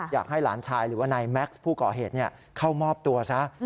อยากให้หลานชายหรือว่านายแม็กซ์ผู้ก่อเหตุเข้ามอบตัวซะ